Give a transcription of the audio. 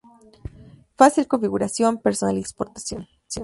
Fácil configuración, personalización y exportación.